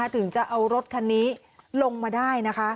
ถึงจะเอารถคันนี้ลงมาได้นะคะ